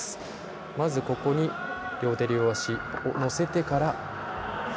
まず、両手両足を乗せてから。